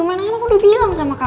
demain dain aku udah bilang sama kakak